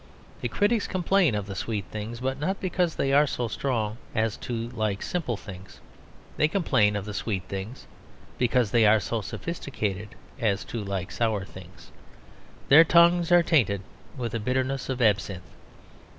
The critics complain of the sweet things, but not because they are so strong as to like simple things. They complain of the sweet things because they are so sophisticated as to like sour things; their tongues are tainted with the bitterness of absinthe.